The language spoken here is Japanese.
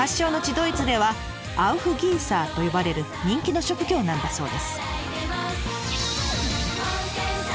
ドイツでは「アウフギーサー」と呼ばれる人気の職業なんだそうです。